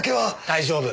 大丈夫。